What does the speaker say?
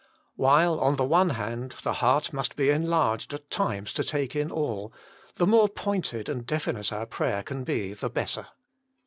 While, on the one hand, the heart must be enlarged at times to take in all, the more pointed and definite our prayer can be the better.